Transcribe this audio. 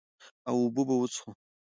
او اوبۀ به وڅښو ـ